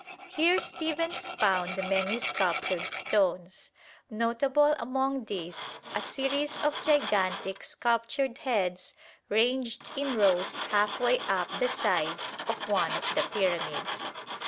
Here Stephens found many sculptured stones, notable among these a series of gigantic sculptured heads ranged in rows half way up the side of one of the pyramids.